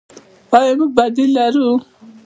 آیا موږ بدیل لرو؟